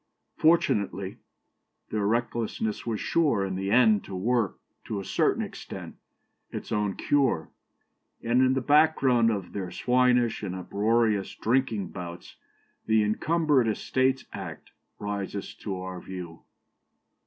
Fortunately, their recklessness was sure, in the end, to work, to a certain extent, its own cure; and in the background of their swinish and uproarious drinking bouts, the Encumbered Estates Act rises to our view."